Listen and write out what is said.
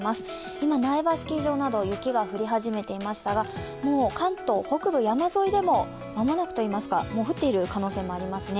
今、苗場スキー場など雪が降り始めていましたが、もう関東北部山沿いでも、もう降っている可能性もありますね。